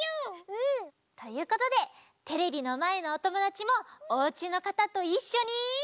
うん！ということでテレビのまえのおともだちもおうちのかたといっしょに！